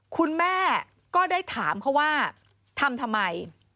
คุณแม่ก็ได้ถามเขาว่าทำทำไม